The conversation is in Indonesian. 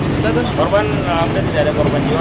korban dan tidak ada korban jiwa